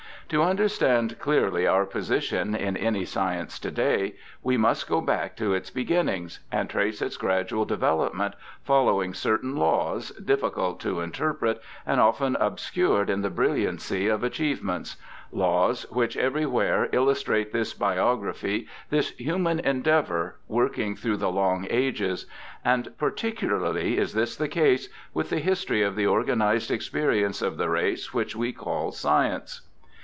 To understand clearly our position in any science to day, we must go back to its beginnings, and trace its gradual development, following certain laws, difficult to interpret and often obscured in the brilliancy of achievements — laws which everywhere illustrate this biography, this human endeavour, working through the long ages ; and particularly is this the case with that history of the organized experience of the race which we call science.